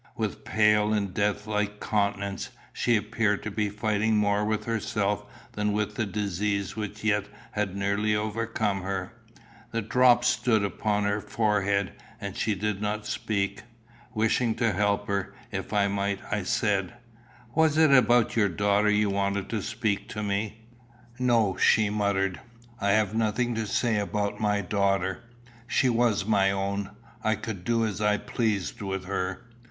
With pale and death like countenance, she appeared to be fighting more with herself than with the disease which yet had nearly overcome her. The drops stood upon her forehead, and she did not speak. Wishing to help her, if I might, I said "Was it about your daughter you wanted to speak to me?" "No," she muttered. "I have nothing to say about my daughter. She was my own. I could do as I pleased with her."